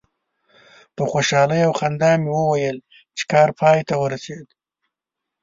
په خوشحالي او خندا مې وویل چې کار پای ته ورسید.